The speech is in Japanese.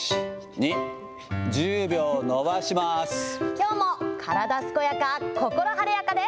きょうも体すこやか、心晴れやかで。